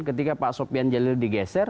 ketika pak sofian jalil digeser